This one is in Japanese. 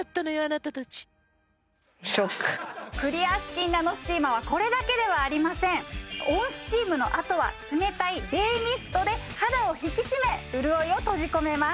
クリアスキンナノスチーマーはこれだけではありません温スチームのあとは冷たい冷ミストで肌を引き締め潤いを閉じ込めます